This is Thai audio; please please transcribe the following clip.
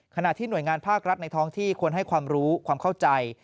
ขณะที่หน่วยงานภาครัฐในท้องที่ควรให้ความรู้ความเข้าใจ